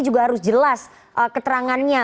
juga harus jelas keterangannya